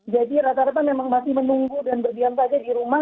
jadi rata rata memang masih menunggu dan berdiam saja di rumah